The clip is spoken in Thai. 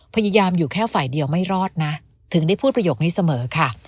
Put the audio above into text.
พยายามอยู่แค่ฝ่ายเดียวไม่รอดนะถึงได้พูดประโยคนี้เสมอค่ะ